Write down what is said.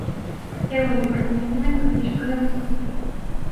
É o único recoñecemento que lles podemos facer.